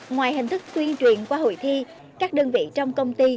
ngoài hình thức tuyên truyền qua hội thi các đơn vị trong công ty